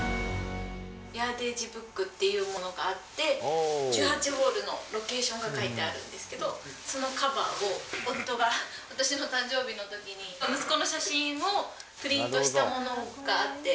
ヤーデージブックっていうものがあって、１８ホールのロケーションが書いてあるんですけど、そのカバーを、夫が私の誕生日のときに、息子の写真をプリントしたものがあって、